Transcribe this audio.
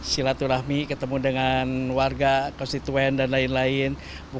silaturahmi ketemu dengan warga konstituen dan lain lain